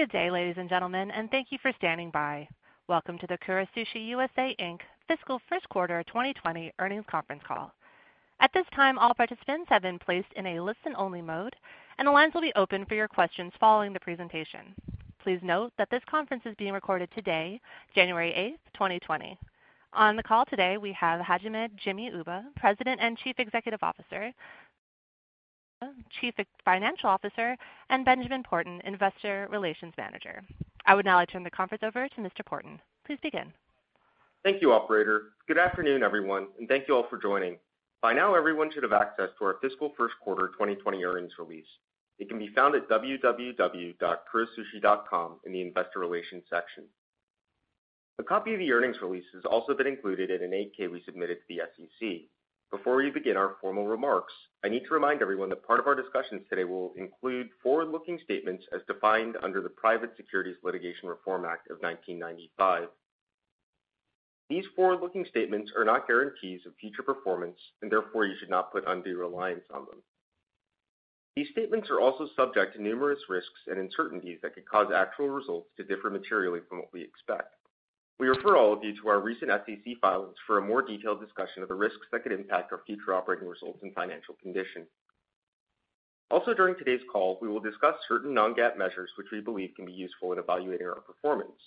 Good day, ladies and gentlemen, and thank you for standing by. Welcome to the Kura Sushi USA Inc. Fiscal First Quarter 2020 earnings conference call. At this time, all participants have been placed in a listen-only mode, and the lines will be open for your questions following the presentation. Please note that this conference is being recorded today, January 8th, 2020. On the call today, we have Hajime "Jimmy" Uba, President and Chief Executive Officer, Chief Financial Officer, and Benjamin Porten, Investor Relations Manager. I would now like to turn the conference over to Mr. Porten. Please begin. Thank you, operator. Good afternoon, everyone, and thank you all for joining. By now, everyone should have access to our fiscal first quarter 2020 earnings release. It can be found at www.kurasushi.com in the investor relations section. A copy of the earnings release has also been included in an 8-K we submitted to the SEC. Before we begin our formal remarks, I need to remind everyone that part of our discussions today will include forward-looking statements as defined under the Private Securities Litigation Reform Act of 1995. These forward-looking statements are not guarantees of future performance, and therefore, you should not put undue reliance on them. These statements are also subject to numerous risks and uncertainties that could cause actual results to differ materially from what we expect. We refer all of you to our recent SEC filings for a more detailed discussion of the risks that could impact our future operating results and financial condition. Also, during today's call, we will discuss certain non-GAAP measures which we believe can be useful in evaluating our performance.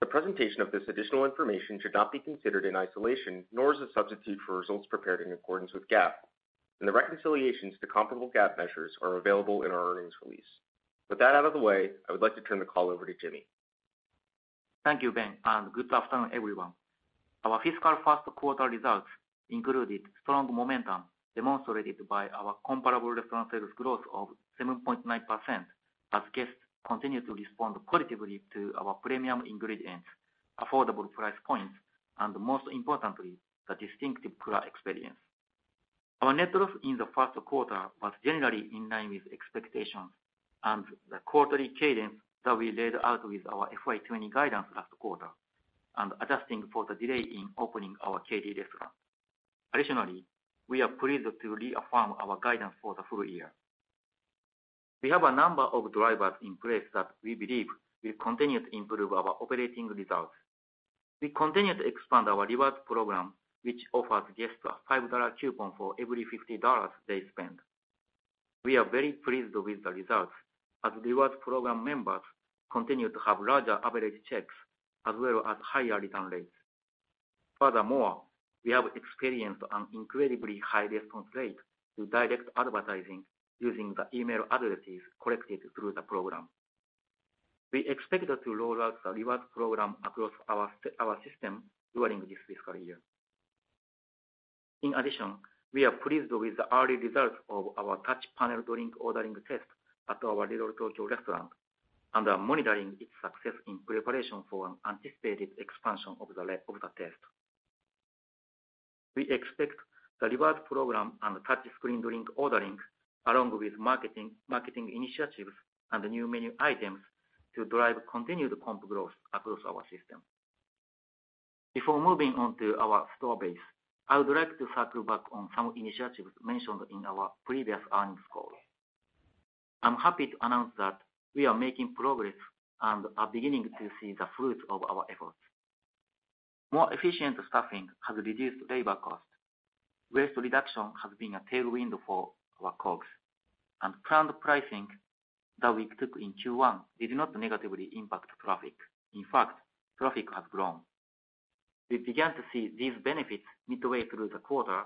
The presentation of this additional information should not be considered in isolation, nor as a substitute for results prepared in accordance with GAAP, and the reconciliations to comparable GAAP measures are available in our earnings release. With that out of the way, I would like to turn the call over to Jimmy. Thank you, Ben. Good afternoon, everyone. Our fiscal first quarter results included strong momentum demonstrated by our comparable restaurant sales growth of 7.9%, as guests continue to respond positively to our premium ingredients, affordable price points, and most importantly, the distinctive Kura experience. Our net loss in the first quarter was generally in line with expectations and the quarterly cadence that we laid out with our FY 2020 guidance last quarter and adjusting for the delay in opening our Katy restaurant. We are pleased to reaffirm our guidance for the full year. We have a number of drivers in place that we believe will continue to improve our operating results. We continue to expand our rewards program, which offers guests a $5 coupon for every $50 they spend. We are very pleased with the results, as Rewards Program members continue to have larger average checks as well as higher return rates. Furthermore, we have experienced an incredibly high response rate to direct advertising using the email addresses collected through the program. We expect to roll out the Rewards Program across our system during this fiscal year. In addition, we are pleased with the early results of our Touch Panel Drink Ordering Test at our Little Tokyo restaurant and are monitoring its success in preparation for an anticipated expansion of the test. We expect the Rewards Program and Touch Screen Drink Ordering, along with marketing initiatives and new menu items, to drive continued comp growth across our system. Before moving on to our store base, I would like to circle back on some initiatives mentioned in our previous earnings call. I'm happy to announce that we are making progress and are beginning to see the fruits of our efforts. More efficient staffing has reduced labor cost. Waste reduction has been a tailwind for our COGS. Planned pricing that we took in Q1 did not negatively impact traffic. In fact, traffic has grown. We began to see these benefits midway through the quarter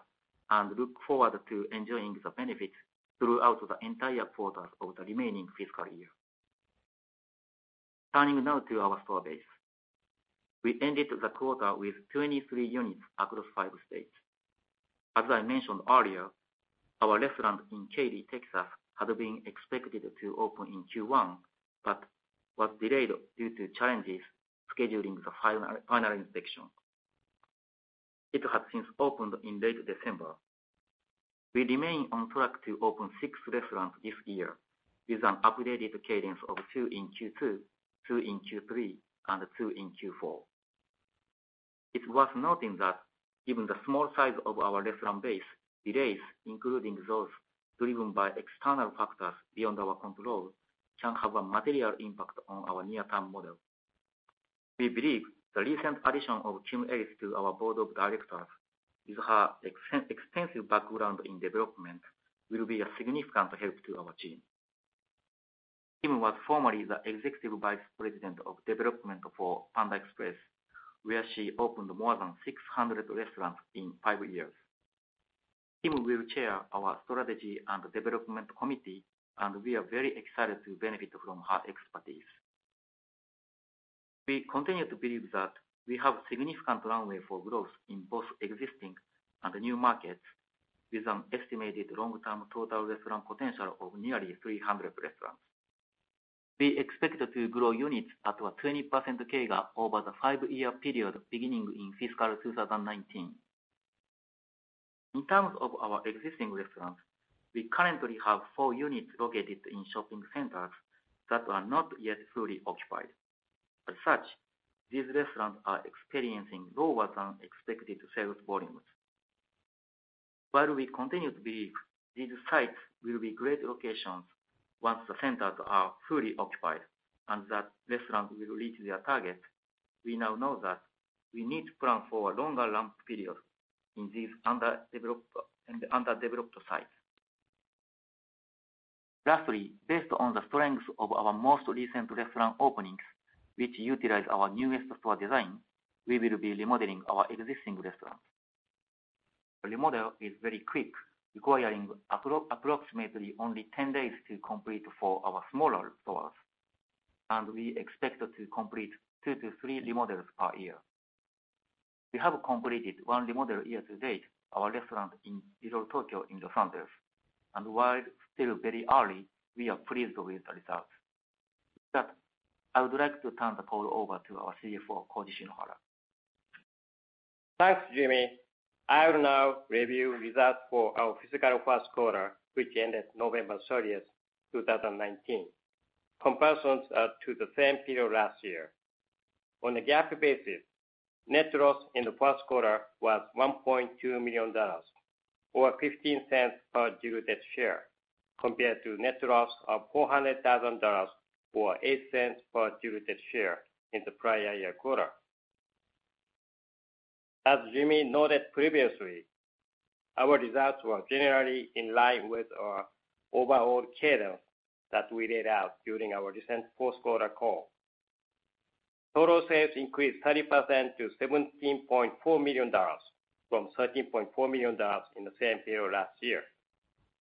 and look forward to enjoying the benefits throughout the entire quarters of the remaining fiscal year. Turning now to our store base. We ended the quarter with 23 units across five states. As I mentioned earlier, our restaurant in Katy, Texas, had been expected to open in Q1. Was delayed due to challenges scheduling the final inspection. It has since opened in late December. We remain on track to open six restaurants this year with an updated cadence of two in Q2, two in Q3, and two in Q4. It's worth noting that given the small size of our restaurant base, delays, including those driven by external factors beyond our control, can have a material impact on our near-term model. We believe the recent addition of Kim Ellis to our board of directors with her extensive background in development will be a significant help to our team. Kim was formerly the Executive Vice President of Development for Panda Express, where she opened more than 600 restaurants in five years. Kim will chair our strategy and development committee, and we are very excited to benefit from her expertise. We continue to believe that we have significant runway for growth in both existing and new markets with an estimated long-term total restaurant potential of nearly 300 restaurants. We expect to grow units at a 20% CAGR over the five-year period beginning in fiscal 2019. In terms of our existing restaurants, we currently have four units located in shopping centers that are not yet fully occupied. As such, these restaurants are experiencing lower-than-expected sales volumes. While we continue to believe these sites will be great locations once the centers are fully occupied, and that restaurants will reach their target, we now know that we need to plan for a longer ramp period in these underdeveloped sites. Lastly, based on the strength of our most recent restaurant openings, which utilize our newest store design, we will be remodeling our existing restaurants. The remodel is very quick, requiring approximately only 10 days to complete for our smaller stores, and we expect to complete two to three remodels per year. We have completed one remodel year-to-date, our restaurant in Little Tokyo in Los Angeles, and while still very early, we are pleased with the results. With that, I would like to turn the call over to our CFO, Koji Shinohara. Thanks, Jimmy. I will now review results for our fiscal first quarter, which ended November 30th, 2019, comparisons to the same period last year. On a GAAP basis, net loss in the first quarter was $1.2 million, or $0.15 per diluted share, compared to net loss of $400,000, or $0.08 per diluted share in the prior year quarter. As Jimmy noted previously, our results were generally in line with our overall cadence that we laid out during our recent fourth quarter call. Total sales increased 30% to $17.4 million from $13.4 million in the same period last year,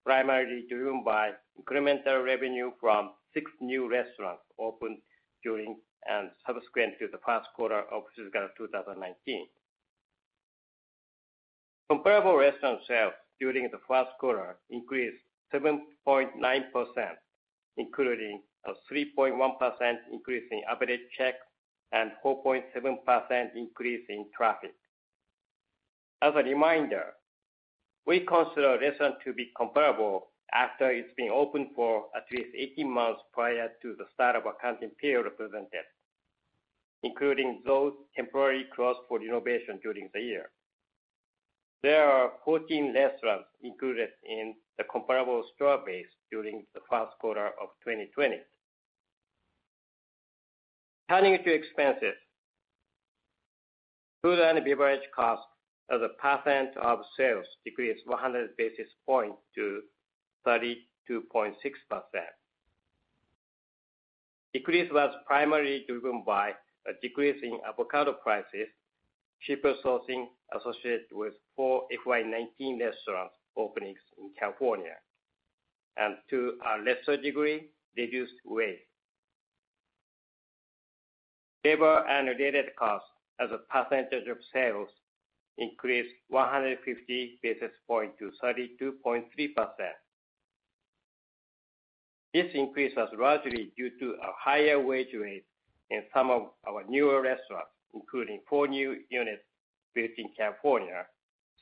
primarily driven by incremental revenue from six new restaurants opened during and subsequent to the first quarter of fiscal 2019. Comparable restaurant sales during the first quarter increased 7.9%, including a 3.1% increase in average check and 4.7% increase in traffic. As a reminder, we consider a restaurant to be comparable after it's been open for at least 18 months prior to the start of accounting period represented, including those temporarily closed for renovation during the year. There are 14 restaurants included in the comparable store base during the first quarter of 2020. Turning to expenses, food and beverage cost as a percent of sales decreased 100 basis points to 32.6%. Decrease was primarily driven by a decrease in avocado prices, cheaper sourcing associated with four FY19 restaurant openings in California, and to a lesser degree, reduced waste. Labor and related costs as a percentage of sales increased 150 basis points to 32.3%. This increase was largely due to a higher wage rate in some of our newer restaurants, including four new units built in California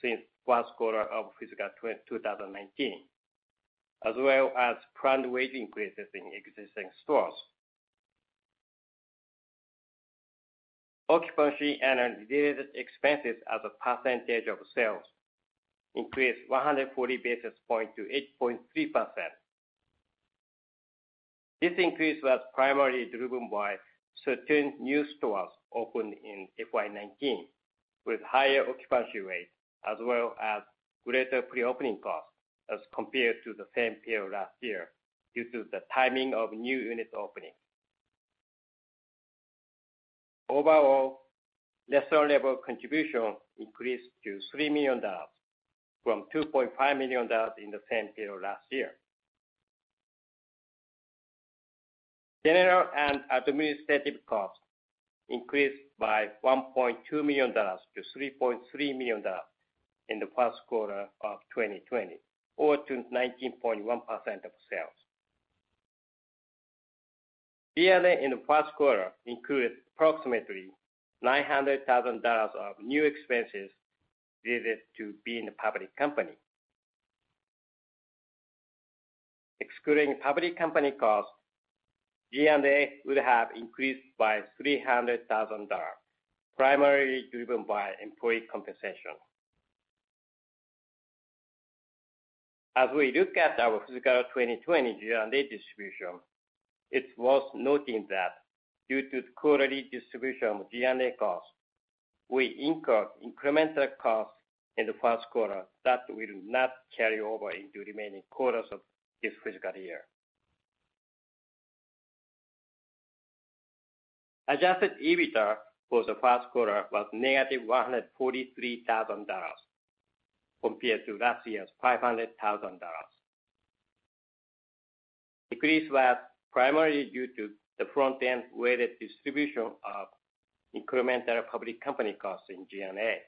since first quarter of fiscal 2019, as well as planned wage increases in existing stores. Occupancy and related expenses as a percentage of sales increased 140 basis points to 8.3%. This increase was primarily driven by certain new stores opened in FY19, with higher occupancy rates as well as greater pre-opening costs as compared to the same period last year due to the timing of new unit openings. Overall, Restaurant-level Contribution increased to $3 million from $2.5 million in the same period last year. General and Administrative costs increased by $1.2 million to $3.3 million in the first quarter of 2020 or to 19.1% of sales. G&A in the first quarter includes approximately $900,000 of new expenses related to being a public company. Excluding public company costs, G&A would have increased by $300,000, primarily driven by employee compensation. As we look at our fiscal 2020 G&A distribution, it's worth noting that due to the quarterly distribution of G&A costs, we incurred incremental costs in the first quarter that will not carry over into the remaining quarters of this fiscal year. Adjusted EBITDA for the first quarter was negative $143,000 compared to last year's $500,000. Decrease was primarily due to the front-end weighted distribution of incremental public company costs in G&A.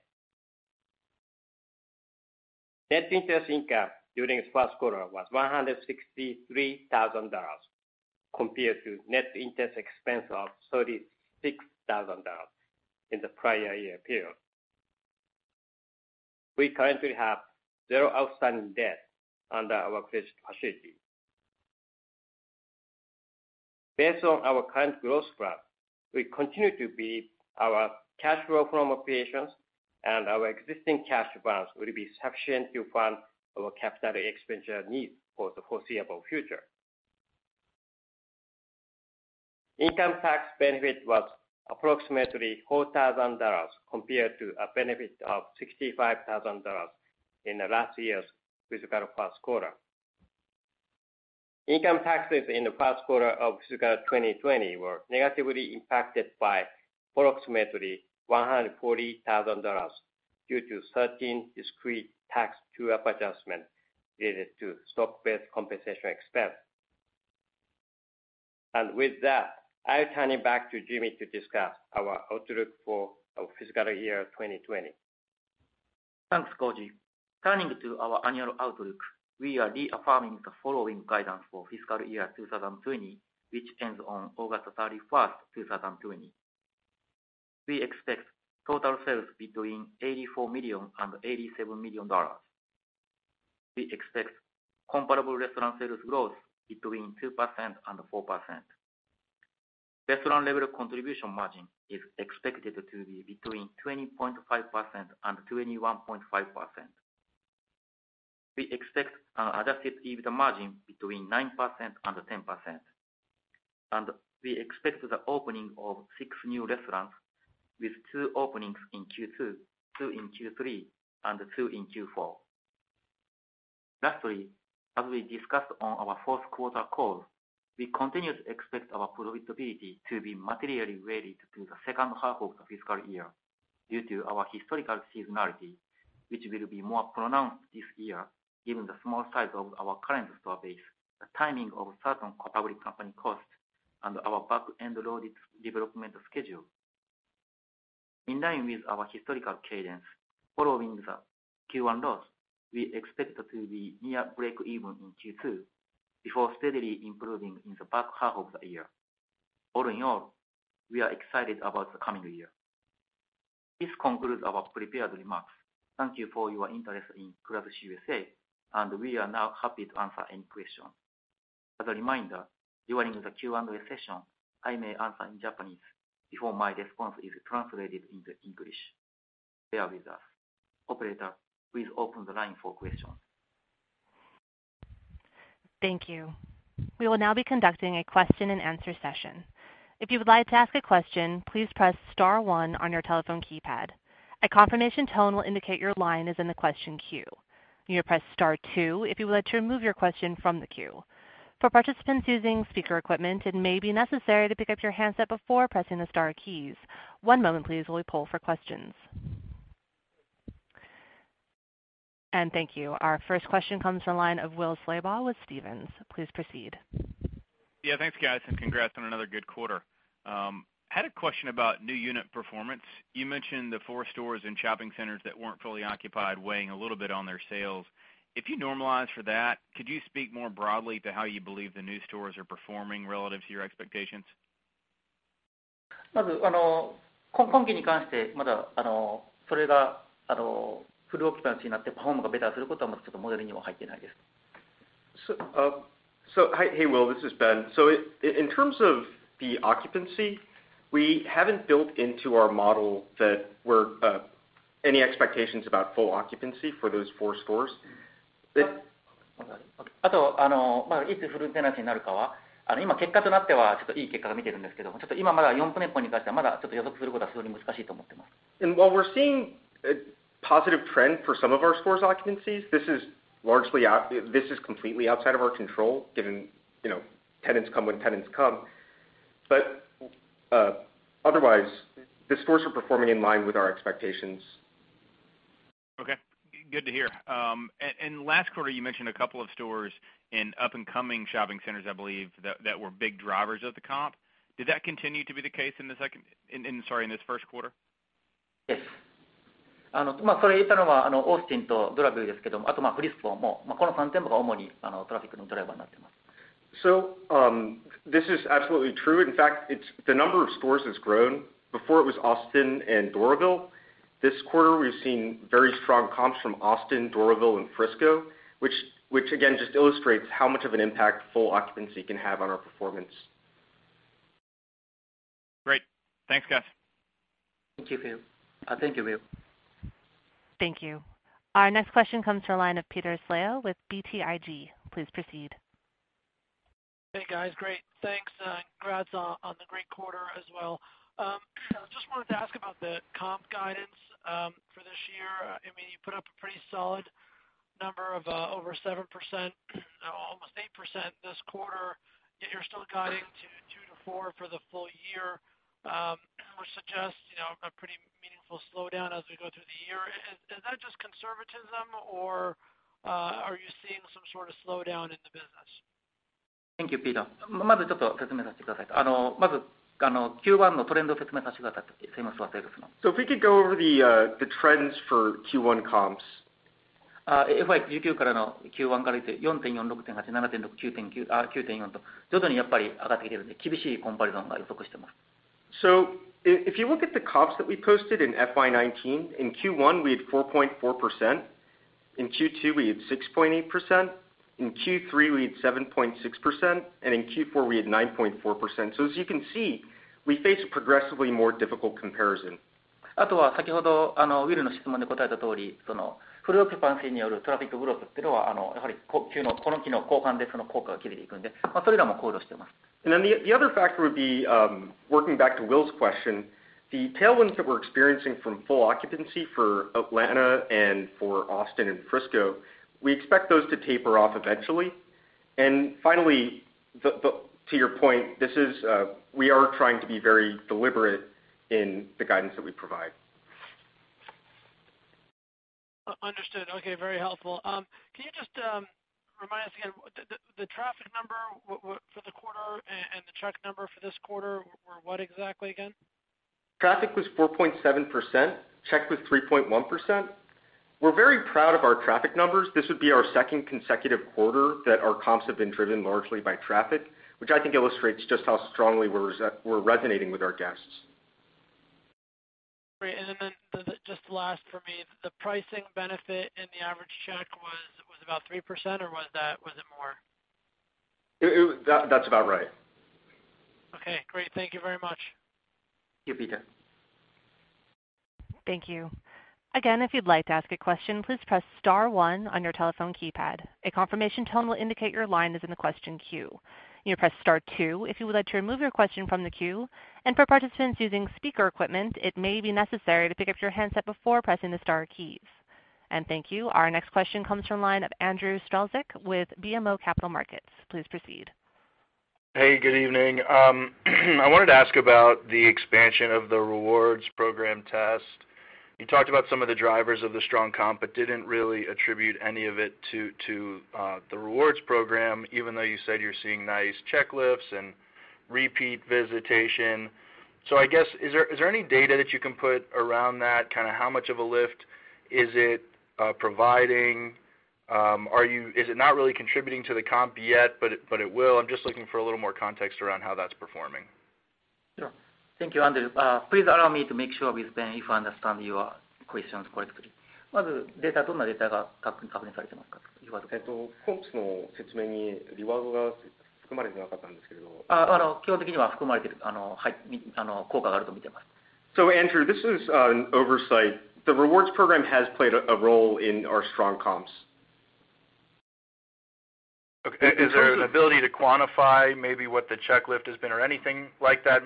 Net interest income during the first quarter was $163,000 compared to net interest expense of $36,000 in the prior year period. We currently have zero outstanding debt under our credit facility. Based on our current growth plan, we continue to believe our cash flow from operations and our existing cash balance will be sufficient to fund our capital expenditure needs for the foreseeable future. Income tax benefit was approximately $4,000 compared to a benefit of $65,000 in the last year's fiscal first quarter. Income taxes in the first quarter of fiscal 2020 were negatively impacted by approximately $140,000 due to certain discrete tax true-up adjustments related to stock-based compensation expense. With that, I'll turn it back to Jimmy to discuss our outlook for our fiscal year 2020. Thanks, Koji. Turning to our annual outlook, we are reaffirming the following guidance for fiscal year 2020, which ends on August 31st, 2020. We expect total sales between $84 million and $87 million. We expect comparable restaurant sales growth between 2% and 4%. Restaurant-level contribution margin is expected to be between 20.5% and 21.5%. We expect an adjusted EBITDA margin between 9% and 10%, and we expect the opening of six new restaurants, with two openings in Q2, two in Q3, and two in Q4. Lastly, as we discussed on our fourth quarter call, we continue to expect our profitability to be materially weighted to the second half of the fiscal year due to our historical seasonality, which will be more pronounced this year given the small size of our current store base, the timing of certain public company costs, and our back-end loaded development schedule. In line with our historical cadence, following the Q1 loss, we expect to be near breakeven in Q2 before steadily improving in the back half of the year. All in all, we are excited about the coming year. This concludes our prepared remarks. Thank you for your interest in Kura Sushi USA. We are now happy to answer any questions. As a reminder, during the Q&A session, I may answer in Japanese before my response is translated into English. Bear with us. Operator, please open the line for questions. Thank you. We will now be conducting a question and answer session. If you would like to ask a question, please press *1 on your telephone keypad. A confirmation tone will indicate your line is in the question queue. You may press *2 if you would like to remove your question from the queue. For participants using speaker equipment, it may be necessary to pick up your handset before pressing the star keys. One moment please while we poll for questions. Thank you. Our first question comes to the line of Will Slabaugh with Stephens. Please proceed. Yeah. Thanks, guys, and congrats on another good quarter. Had a question about new unit performance. You mentioned the four stores in shopping centers that weren't fully occupied, weighing a little bit on their sales. If you normalize for that, could you speak more broadly to how you believe the new stores are performing relative to your expectations? Hey, Will, this is Ben. In terms of the occupancy, we haven't built into our model any expectations about full occupancy for those four stores. While we're seeing a positive trend for some of our stores' occupancies, this is completely outside of our control, given tenants come when tenants come. Otherwise, the stores are performing in line with our expectations. Okay, good to hear. Last quarter, you mentioned a couple of stores in up-and-coming shopping centers, I believe, that were big drivers of the comp. Did that continue to be the case in this first quarter? Yes. This is absolutely true. In fact, the number of stores has grown. Before it was Austin and Doraville. This quarter, we've seen very strong comps from Austin, Doraville, and Frisco, which again, just illustrates how much of an impact full occupancy can have on our performance. Great. Thanks, guys. Thank you, Will. Thank you. Our next question comes to the line of Peter Saleh with BTIG. Please proceed. Hey, guys. Great. Thanks, and congrats on the great quarter as well. I just wanted to ask about the comp guidance for this year. You put up a pretty solid number of over 7%, almost 8% this quarter, yet you're still guiding to 2%-4% for the full year, which suggests a pretty meaningful slowdown as we go through the year. Is that just conservatism, or are you seeing some sort of slowdown in the business? Thank you, Peter. If we could go over the trends for Q1 comps. If you look at the comps that we posted in FY 2019, in Q1, we had 4.4%. In Q2, we had 6.8%, in Q3 we had 7.6%, and in Q4 we had 9.4%. As you can see, we face a progressively more difficult comparison. The other factor would be, working back to Will's question, the tailwinds that we're experiencing from full occupancy for Atlanta and for Austin and Frisco, we expect those to taper off eventually. Finally, to your point, we are trying to be very deliberate in the guidance that we provide. Understood. Okay. Very helpful. Can you just remind us again, the traffic number for the quarter and the check number for this quarter were what exactly again? Traffic was 4.7%, check was 3.1%. We're very proud of our traffic numbers. This would be our second consecutive quarter that our comps have been driven largely by traffic, which I think illustrates just how strongly we're resonating with our guests. Great. Just last for me, the pricing benefit in the average check was about 3%, or was it more? That's about right. Okay, great. Thank you very much. Thank you, Peter. Thank you. Again, if you'd like to ask a question, please press *1 on your telephone keypad. A confirmation tone will indicate your line is in the question queue. You may press *2 if you would like to remove your question from the queue, for participants using speaker equipment, it may be necessary to pick up your handset before pressing the star keys. Thank you. Our next question comes from the line of Andrew Strelzik with BMO Capital Markets. Please proceed. Hey, good evening. I wanted to ask about the expansion of the rewards program test. You talked about some of the drivers of the strong comp, but didn't really attribute any of it to the rewards program, even though you said you're seeing nice check lifts and repeat visitation. I guess, is there any data that you can put around that, how much of a lift is it providing? Is it not really contributing to the comp yet, but it will? I'm just looking for a little more context around how that's performing. Sure. Thank you, Andrew. Please allow me to make sure with Ben if I understand your questions correctly. Andrew, this is an oversight. The rewards program has played a role in our strong comps. Okay. Is there an ability to quantify maybe what the check lift has been or anything like that?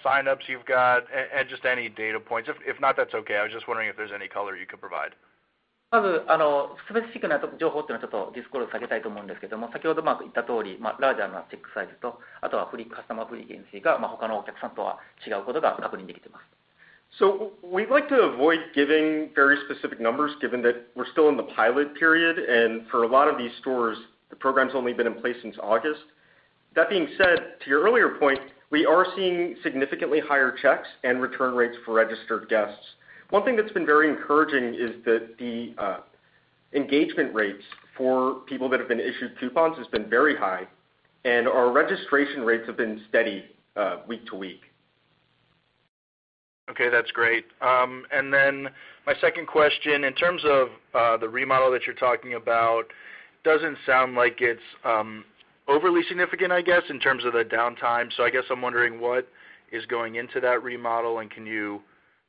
Maybe how many sign-ups you've got and just any data points? If not, that's okay. I was just wondering if there's any color you could provide. We'd like to avoid giving very specific numbers given that we're still in the pilot period, and for a lot of these stores, the program's only been in place since August. That being said, to your earlier point, we are seeing significantly higher checks and return rates for registered guests. One thing that's been very encouraging is that the engagement rates for people that have been issued coupons has been very high, and our registration rates have been steady week to week. Okay, that's great. Then my second question, in terms of the remodel that you're talking about, doesn't sound like it's overly significant, I guess, in terms of the downtime. I guess I'm wondering what is going into that remodel, and can you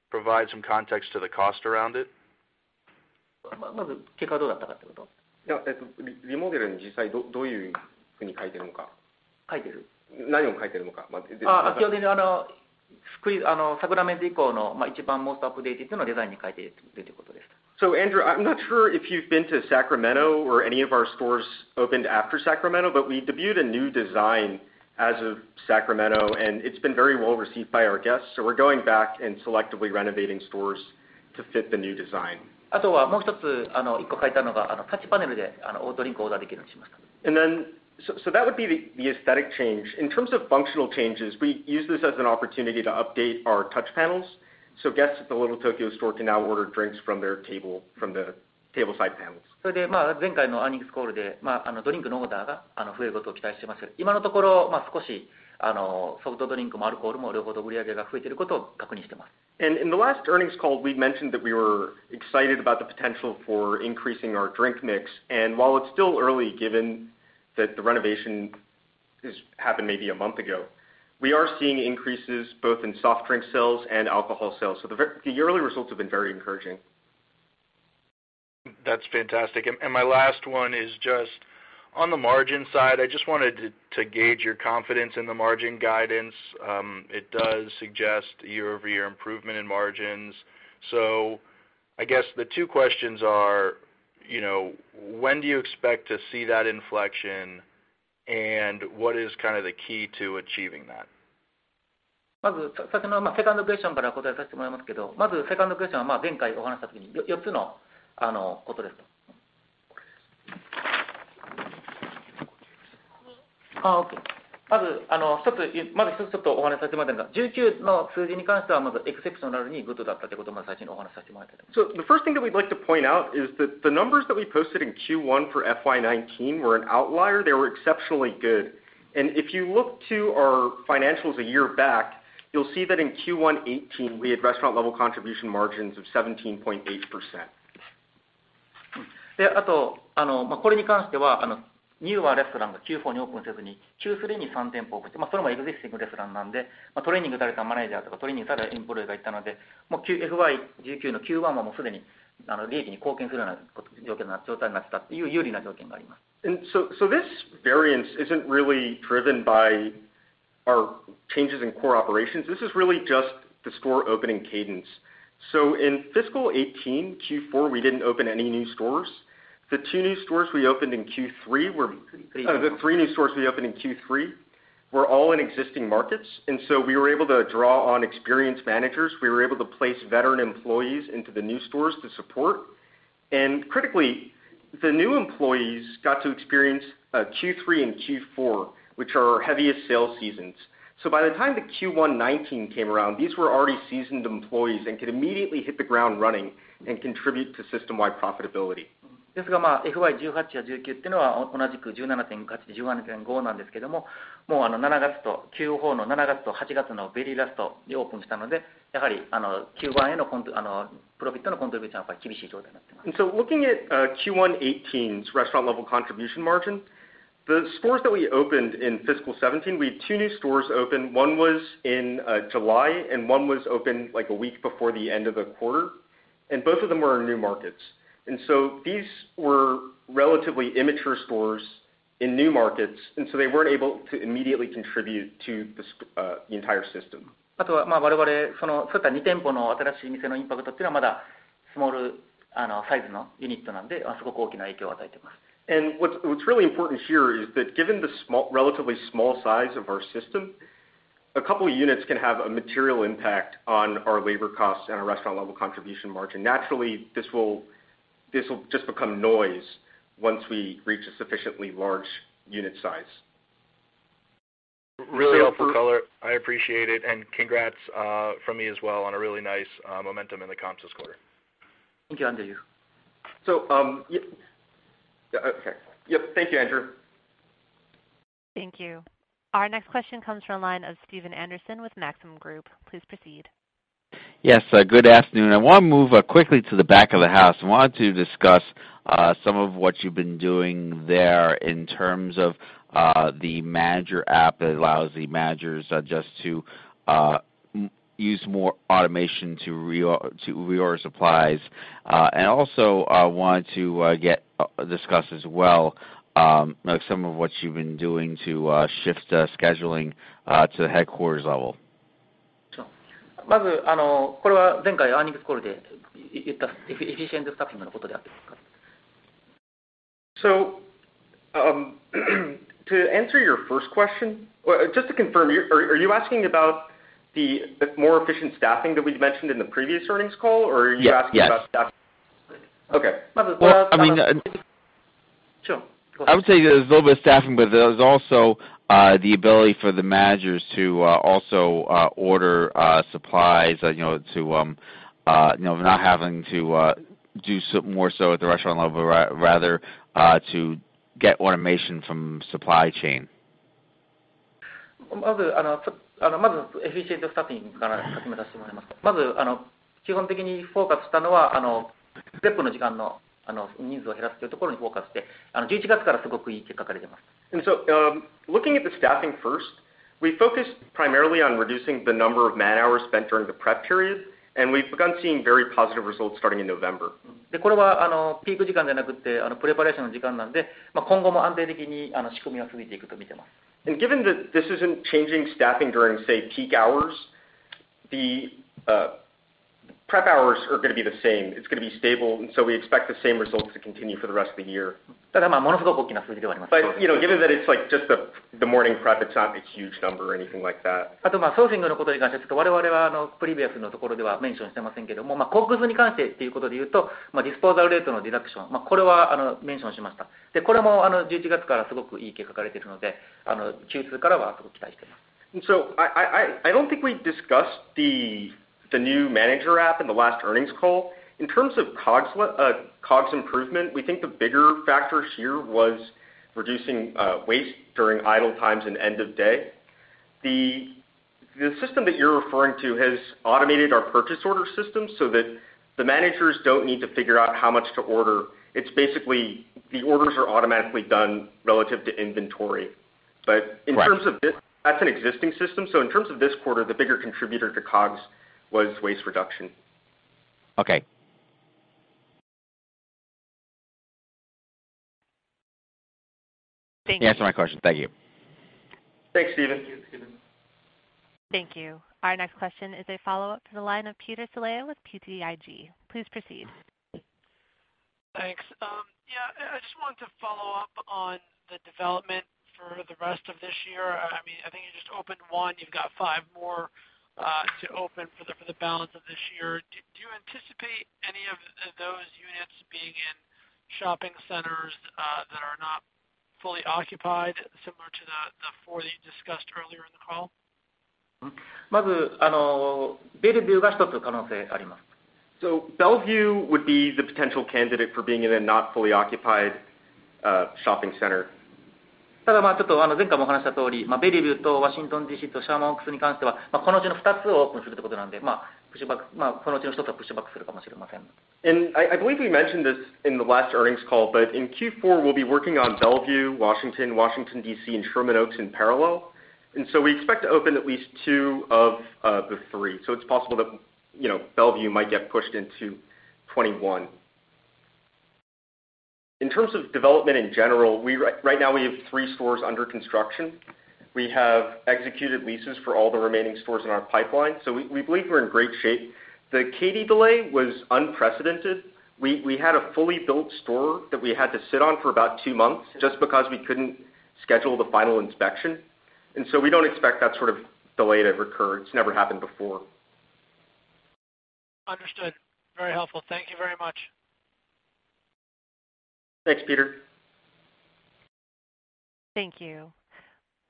provide some context to the cost around it? Andrew, I'm not sure if you've been to Sacramento or any of our stores opened after Sacramento, but we debuted a new design as of Sacramento, and it's been very well received by our guests. We're going back and selectively renovating stores to fit the new design. That would be the aesthetic change. In terms of functional changes, we used this as an opportunity to update our touch panels. Guests at the Little Tokyo store can now order drinks from their table, from the tableside panels. In the last earnings call, we mentioned that we were excited about the potential for increasing our drink mix. While it's still early, given that the renovation has happened maybe one month ago, we are seeing increases both in soft drink sales and alcohol sales. The early results have been very encouraging. That's fantastic. My last one is just on the margin side. I just wanted to gauge your confidence in the margin guidance. It does suggest year-over-year improvement in margins. I guess the two questions are, when do you expect to see that inflection, and what is the key to achieving that? The first thing that we'd like to point out is that the numbers that we posted in Q1 for FY 2019 were an outlier. They were exceptionally good. If you look to our financials a year back, you'll see that in Q1 2018, we had restaurant-level contribution margins of 17.8%. This variance isn't really driven by our changes in core operations. This is really just the store opening cadence. In fiscal 2018 Q4, we didn't open any new stores. The three new stores we opened in Q3 were all in existing markets, we were able to draw on experienced managers. We were able to place veteran employees into the new stores to support. Critically, the new employees got to experience Q3 and Q4, which are our heaviest sales seasons. By the time the Q1 2019 came around, these were already seasoned employees and could immediately hit the ground running and contribute to system-wide profitability. Looking at Q1 2018's Restaurant-level Contribution margin, the stores that we opened in fiscal 2017, we had two new stores open. One was in July, and one was opened a week before the end of the quarter, and both of them were in new markets. These were relatively immature stores in new markets, and so they weren't able to immediately contribute to the entire system. What's really important here is that given the relatively small size of our system, a couple of units can have a material impact on our labor costs and our Restaurant-level Contribution margin. Naturally, this will just become noise once we reach a sufficiently large unit size. Really helpful color. I appreciate it. Congrats from me as well on a really nice momentum in the comps this quarter. Yep. Okay. Yep. Thank you, Andrew. Thank you. Our next question comes from the line of Stephen Anderson with Maxim Group. Please proceed. Yes. Good afternoon. I want to move quickly to the back of the house. I wanted to discuss some of what you've been doing there in terms of the manager app that allows the managers just to use more automation to reorder supplies. Also, I wanted to discuss as well some of what you've been doing to shift scheduling to the headquarters level. To answer your first question. Just to confirm, are you asking about the more efficient staffing that we've mentioned in the previous earnings call? Or are you asking about staffing? Yes. Okay. Well, I would say there's a little bit of staffing, there's also the ability for the managers to also order supplies, not having to do more so at the restaurant level, rather to get automation from supply chain. Looking at the staffing first, we focused primarily on reducing the number of man-hours spent during the prep period, and we've begun seeing very positive results starting in November. Given that this isn't changing staffing during, say, peak hours, the prep hours are going to be the same. It's going to be stable, and so we expect the same results to continue for the rest of the year. Given that it's just the morning prep, it's not a huge number or anything like that. I don't think we discussed the new manager app in the last earnings call. In terms of COGS improvement, we think the bigger factor here was reducing waste during idle times and end of day. The system that you're referring to has automated our purchase order system so that the managers don't need to figure out how much to order. It's basically the orders are automatically done relative to inventory. Right. That's an existing system. In terms of this quarter, the bigger contributor to COGS was waste reduction. Okay. Thank you. You answered my question. Thank you. Thanks, Stephen. Thank you. Our next question is a follow-up to the line of Peter Saleh with BTIG. Please proceed. Thanks. Yeah, I just wanted to follow up on the development for the rest of this year. I think you just opened one. You've got five more to open for the balance of this year. Do you anticipate any of those units being in shopping centers that are not fully occupied, similar to the four that you discussed earlier in the call? Bellevue would be the potential candidate for being in a not fully occupied shopping center. I believe we mentioned this in the last earnings call, but in Q4, we'll be working on Bellevue, Washington D.C., and Sherman Oaks in parallel. We expect to open at least two of the three. It's possible that Bellevue might get pushed into 2021. In terms of development in general, right now we have three stores under construction. We have executed leases for all the remaining stores in our pipeline. We believe we're in great shape. The Katy delay was unprecedented. We had a fully built store that we had to sit on for about two months just because we couldn't schedule the final inspection. We don't expect that sort of delay to recur. It's never happened before. Understood. Very helpful. Thank you very much. Thanks, Peter. Thank you.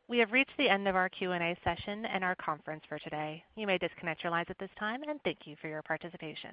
We have reached the end of our Q&A session and our conference for today. You may disconnect your lines at this time. Thank you for your participation.